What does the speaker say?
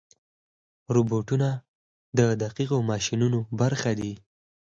روبوټونه د دقیقو ماشینونو برخه دي.